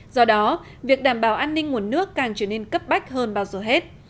do đó việc đảm bảo an ninh nguồn nước càng trở nên cấp bách hơn bao giờ hết